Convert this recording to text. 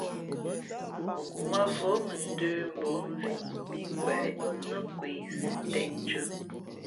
Mα̌vō mʉndə̌ mbᾱᾱ mvī pí kweleʼ nά kwesi tēndʉ̄ᾱ.